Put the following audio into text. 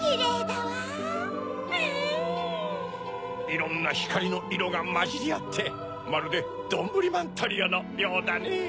いろんなひかりのいろがまじりあってまるでどんぶりまんトリオのようだねぇ。